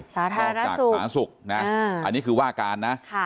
สาธารสุขอันนี้คือว่าการนะ